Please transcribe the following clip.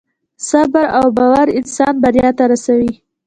صبر او باور انسان بریا ته رسوي.